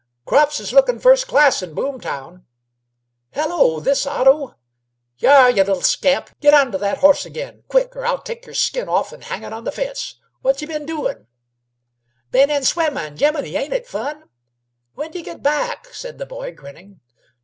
"Crops is looking first class in Boomtown. Hello! This Otto? H'yare, y' little scamp! Get on to that horse agin. Quick, 'r I'll take y'r skin off an' hang it on the fence. What y' been doing?" "Ben in swimmin'. Jimminy, ain't it fun! When 'd y' get back?" said the boy, grinning.